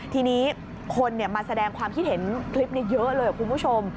ทีนี้คนมาแสดงความคิดเห็นคลิปนี้เยอะเลยคุณผู้ชม